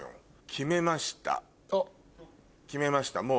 決めましたもう。